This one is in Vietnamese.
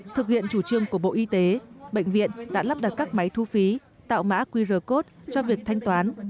thực hiện chủ trương của bộ y tế bệnh viện đã lắp đặt các máy thu phí tạo mã qr code cho việc thanh toán